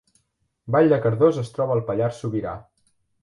Vall de Cardós es troba al Pallars Sobirà